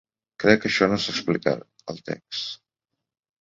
Crec que això no s'explica al text.